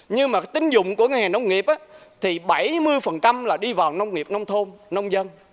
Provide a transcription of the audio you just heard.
nhưng mà tính dụng của ngân hàng nông nghiệp thì bảy mươi là đi vào nông nghiệp nông thôn nông dân